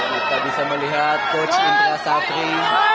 kita bisa melihat coach indra safri